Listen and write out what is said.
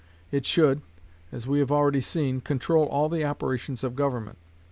It should, as we have already seen, control all the operations of government.